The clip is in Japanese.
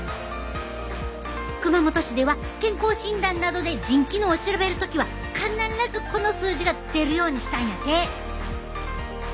熊本市では健康診断などで腎機能を調べる時は必ずこの数字が出るようにしたんやて。